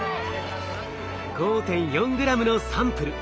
５．４グラムのサンプル